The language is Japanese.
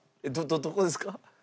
どどこですか？